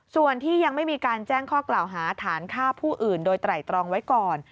ส่วนที่ยังไม่มีการแจ้งข้อกล่าวหาฐานฆ่าผู้อื่นโดยไตรตรองไว้ก่อน